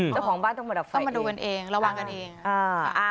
เจ้าของบ้านต้องมาดับไฟต้องมาดูกันเองระวังกันเองอ่า